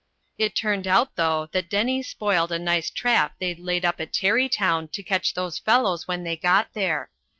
"It turned out, though, that Denny spoiled a nice trap they'd laid up at Tarrytown to catch those fellows when they got there.